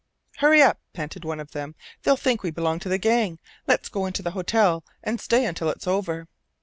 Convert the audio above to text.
"Hurry up," panted one of them. "They'll think we belong to the gang. Let's go into the hotel and stay until it's over."